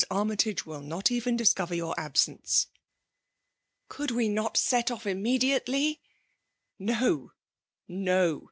Armytage will not even discover your absence." . ''Could we not set off immediately ?'*" No, no